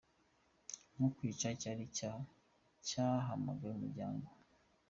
Nko kwica cyari icyaha cyahamaga umuryango.